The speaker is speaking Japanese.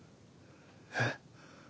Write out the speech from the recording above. えっ？